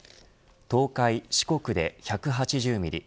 東海、四国で１８０ミリ